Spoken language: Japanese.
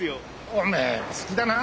おめえ好きだな。